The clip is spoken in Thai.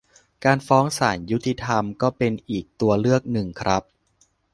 การฟ้องศาลยุติธรรมก็เป็นอีกตัวเลือกหนึ่งครับ